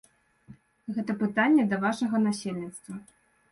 Гэта пытанне да вашага насельніцтва.